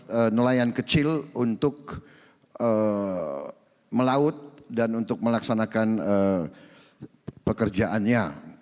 untuk nelayan kecil untuk melaut dan untuk melaksanakan pekerjaannya